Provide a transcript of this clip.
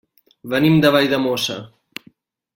Venim de Valldemossa.